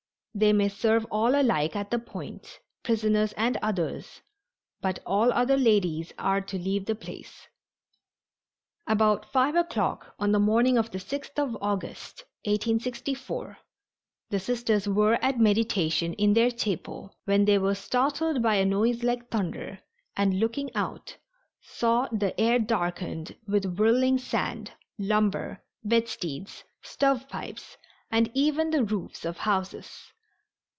They may serve all alike at the Point, prisoners and others, but all other ladies are to leave the place." About 5 o'clock on the morning of the 6th of August, 1864, the Sisters were at meditation in their chapel, when they were startled by a noise like thunder, and, looking out, saw the air darkened with whirling sand, lumber, bedsteads, stovepipes and even the roofs of houses.